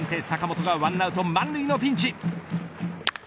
坂本が１アウト満塁のピンチ